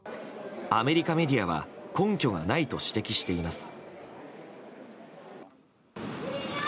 アメリカメディアは根拠がないと指摘しています。